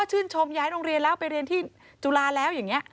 ชื่นชมย้ายโรงเรียนแล้วไปเรียนที่จุฬาแล้วอย่างนี้